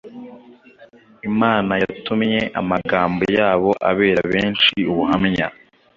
Imana yatumye amagambo yabo abera benshi ubuhamya